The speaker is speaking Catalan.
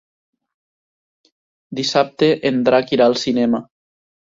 Dissabte en Drac irà al cinema.